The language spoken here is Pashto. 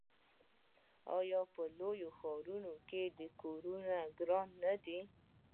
آیا په لویو ښارونو کې کورونه ګران نه دي؟